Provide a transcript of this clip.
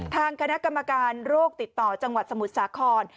ทางคณะกรรมการโรคติดต่อจังหวัดสมุทรสาคร